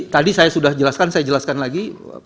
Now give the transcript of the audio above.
tadi saya sudah jelaskan saya jelaskan lagi